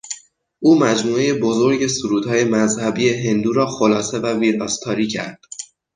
او مجموعهی بزرگسرودهای مذهبی هندو را خلاصه و ویراستاری کرد.